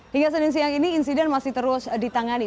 hingga senin siang ini insiden masih terus ditangani